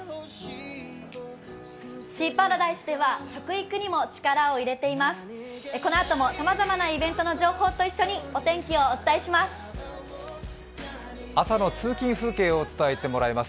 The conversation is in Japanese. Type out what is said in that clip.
シーパラダイスでは食育にも力を入れています。